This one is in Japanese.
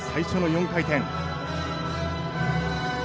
４回転。